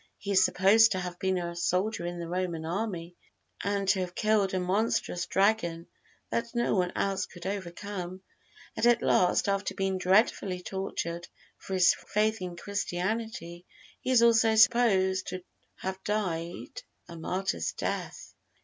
He is supposed to have been a soldier in the Roman Army, and to have killed a monstrous dragon that no one else could overcome, and at last, after being dreadfully tortured for his faith in Christianity, he is also supposed to have died a martyr's death."